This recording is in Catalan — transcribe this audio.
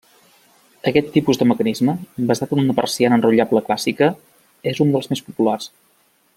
Aquest tipus de mecanisme, basat en una persiana enrotllable clàssica, és un dels més populars.